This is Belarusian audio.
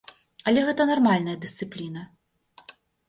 Але гэта нармальная дысцыпліна.